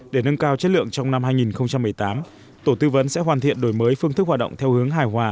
để nâng cao chất lượng trong năm hai nghìn một mươi tám tổ tư vấn sẽ hoàn thiện đổi mới phương thức hoạt động theo hướng hài hòa